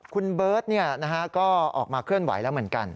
คุณเบิร์ตก็ออกมาเคลื่อนไหวแล้วเหมือนกัน